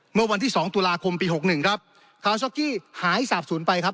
เมื่อวันที่๒ตุลาคมปี๖๑ครับคาลช็อกกี้หายสาบสุนไปครับ